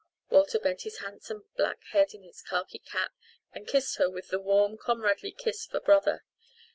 Walter bent his handsome black head in its khaki cap and kissed her with the warm, comradely kiss of a brother.